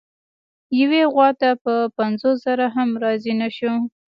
یوې غوا ته په پنځوس زره هم راضي نه شو.